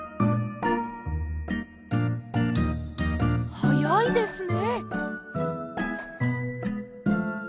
はやいですね。